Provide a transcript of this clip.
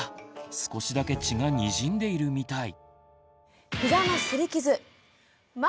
少しだけ血がにじんでいるみたい。